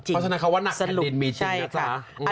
เพราะฉะนั้นคำว่าหนักแผ่นดินมีจริงนะคะ